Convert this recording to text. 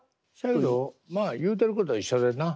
けどまあ言うてることは一緒でんな。